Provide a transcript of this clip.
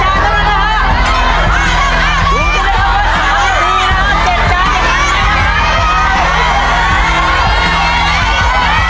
เราต้องเป็นพล้านะครับ